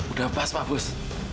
udah pas pak bus